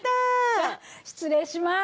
じゃあ失礼します。